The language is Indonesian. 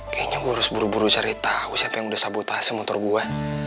kayaknya gue harus buru buru cari tau siapa yang udah sabotasi motor gue